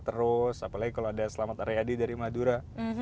terus apalagi kalau ada selamat aryadi dari madura